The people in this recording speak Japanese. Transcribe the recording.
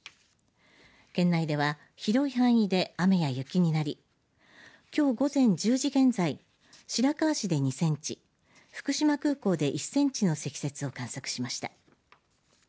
県内では広い範囲で雨や雪になりきょう午前１０時現在白河市で２センチ福島空港で１センチの積雪を観測しました。